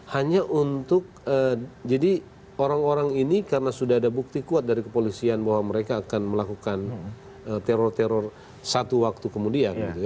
hanya untuk jadi orang orang ini karena sudah ada bukti kuat dari kepolisian bahwa mereka akan melakukan teror teror satu waktu kemudian